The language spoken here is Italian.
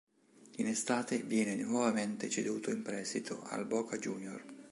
In estate viene nuovamente ceduto in prestito, al Boca Juniors.